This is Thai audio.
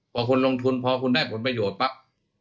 พอคุณลงทุนพอคุณได้ผลประโยชน์ปั๊บ